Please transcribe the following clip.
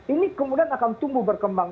ini kemudian akan tumbuh berkembang